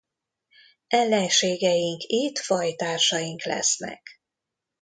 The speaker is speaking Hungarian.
Ellenségeink itt fajtársaink lesznek.